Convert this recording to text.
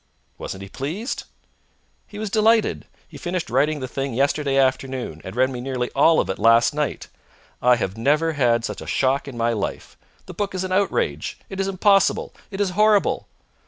"Wasn't he pleased?" "He was delighted. He finished writing the thing yesterday afternoon, and read me nearly all of it last night. I have never had such a shock in my life. The book is an outrage. It is impossible. It is horrible!"